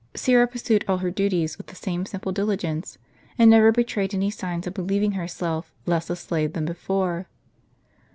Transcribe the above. Syra pursued all her duties with the same simple diligence, and never betrayed any signs of believing herself less a slave than before.